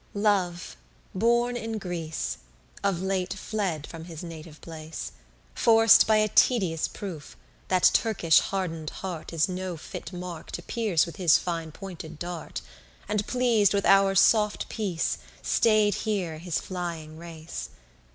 8 Love, born in Greece, of late fled from his native place, Forc'd by a tedious proof, that Turkish harden'd heart Is no fit mark to pierce with his fine pointed dart, And pleas'd with our soft peace, stayed here his flying race.